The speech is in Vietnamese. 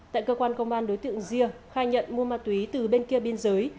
tại cơ quan công an đối tượng rìa khai nhận mua ma túy từ bên kia biên giới